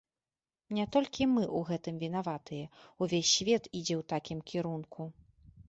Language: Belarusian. Не толькі мы ў гэтым вінаватыя, увесь свет ідзе ў такім кірунку.